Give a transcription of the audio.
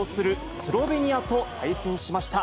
スロベニアと対戦しました。